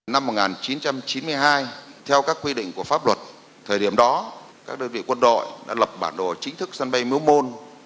năm một nghìn chín trăm chín mươi hai theo các quy định của pháp luật thời điểm đó các đơn vị quân đội đã lập bản đồ chính thức sân bay miếu môn